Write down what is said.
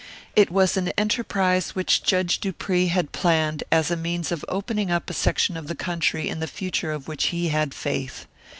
It was an enterprise which Judge Dupree had planned, as a means of opening up a section of country in the future of which he had faith.